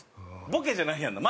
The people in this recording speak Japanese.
ボケじゃないんやな？